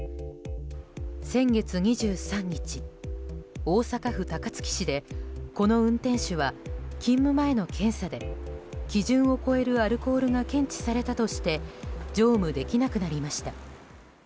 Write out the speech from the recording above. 先月２３日、大阪府高槻市でこの運転手は勤務前の検査で基準を超えるアルコールが検知されたとして乗務できなくなりました。